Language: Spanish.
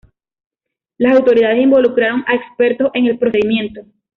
Las autoridades involucraron a expertos en el procedimiento.